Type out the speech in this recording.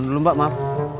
tunduk dulu mbak maaf